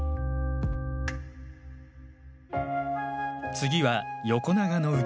次は横長の器。